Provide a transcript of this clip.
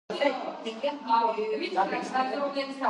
აქვს დიდი პირი, მსხვილი კბილები.